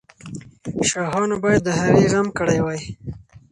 شاهانو باید د هغې غم کړی وای.